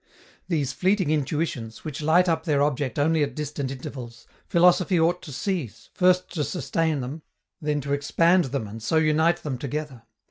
These fleeting intuitions, which light up their object only at distant intervals, philosophy ought to seize, first to sustain them, then to expand them and so unite them together.